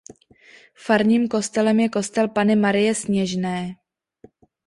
Farním kostelem je kostel Panny Marie Sněžné.